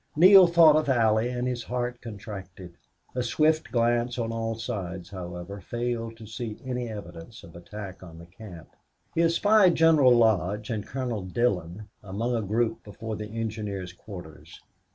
Neale thought of Allie and his heart contracted. A swift glance on all sides, however, failed to see any evidence of attack on the camp. He espied General Lodge and Colonel Dillon among a group before the engineers' quarters.